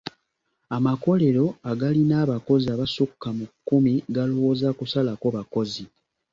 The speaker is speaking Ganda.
Amakolero agalina abakozi abasukka mu kkumi galowooza kusalako bakozi.